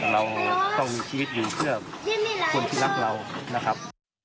เราต้องมีชีวิตอยู่เพื่อคนที่รักเรานะครับ